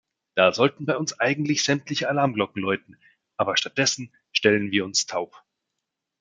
Da sollten bei uns eigentlich sämtliche Alarmglocken läuten, aber stattdessen stellen wir uns taub.